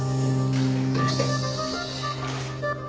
よし。